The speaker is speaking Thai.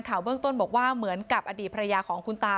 เบื้องต้นบอกว่าเหมือนกับอดีตภรรยาของคุณตา